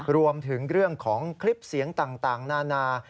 รวมถึงเรื่องของคลิปเสียงต่างนานา